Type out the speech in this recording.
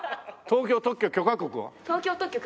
東京特許許可局。